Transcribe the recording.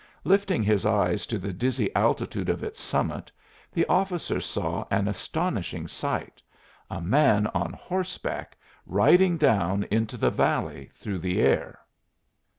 Lifting his eyes to the dizzy altitude of its summit the officer saw an astonishing sight a man on horseback riding down into the valley through the air!